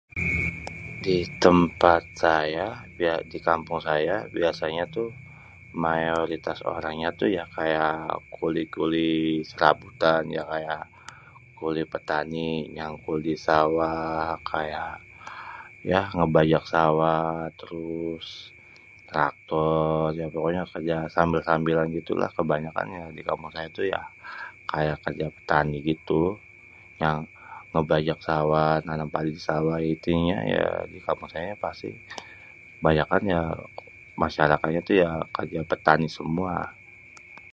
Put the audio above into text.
Di tempat saya ya di kampung saya biasanya tuh, mayoritas orangnya tuh kayak kuli-kuli sêrabutan, ya kayak kuli pétani nyangkul di sawah. Kayak ngébajak sawah, terus traktor, ya pokoknya kerja sambil-sambilan gitu lah kébanyakan di kampung saya tuh ya kayak kerja pétani gitu yang ngêbajak sawah, nanêm padi di sawah. Intinya di kampung saya pasti banyakan ya masyarakatnya kerja pétani semua.